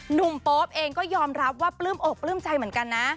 โป๊ปเองก็ยอมรับว่าปลื้มอกปลื้มใจเหมือนกันนะ